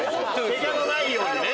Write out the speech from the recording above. ケガのないようにね。